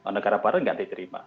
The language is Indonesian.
negara barat nggak diterima